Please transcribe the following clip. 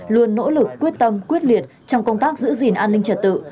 luôn nỗ lực quyết tâm quyết liệt trong công tác giữ gìn an ninh trật tự